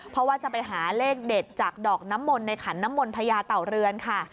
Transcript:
เพราะว่าจะไปหาเลขเด็ดจากดอกน้ำมนต์ในขันน้ำมนพญาเต่าเรือนค่ะ